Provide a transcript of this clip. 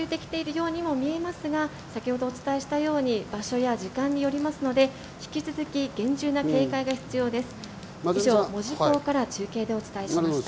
今、少し落ち着いてきているようにも見えますが、先ほどお伝えしたように、場所や時間によりますので、引き続き厳重な警戒が必要です。